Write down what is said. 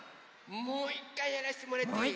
もういっかいやらせてもらっていい？